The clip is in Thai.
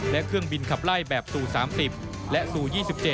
และเครื่องบินขับไล่แบบสู่๓๐และสู่๒๗